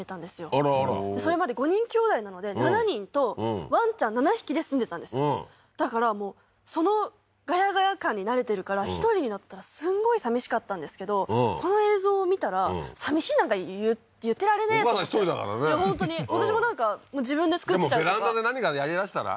あらあらそれまで５人きょうだいなので７人とワンちゃん７匹で住んでたんですよだからもうそのガヤガヤ感に慣れてるから１人になったらすんごいさみしかったんですけどこの映像を見たらさみしいなんか言ってられねえとお母さん１人だからね本当に私もなんか自分で作っちゃってとかベランダで何かやりだしたら？